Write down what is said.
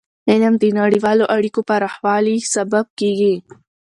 علم د نړیوالو اړیکو پراخوالي سبب دی.